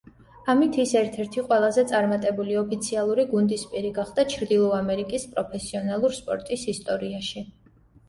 ამით ის ერთ-ერთი ყველაზე წარმატებული ოფიციალური გუნდის პირი გახდა ჩრდილო ამერიკის პროფესიონალურ სპორტის ისტორიაში.